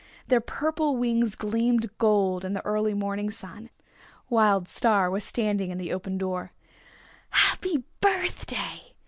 Their purple wings gleamed gold in the early morning sun. Wild Star was standing in the open door. "Happy birthday!"